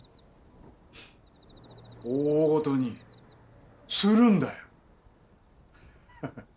大ごとにするんだよハハッ。